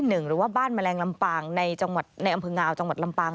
หรือว่าบ้านแมลงลำปางในอำเภองาวจังหวัดลำปาง